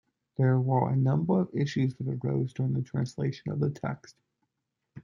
There were a number of issues that arose during the translation of the text.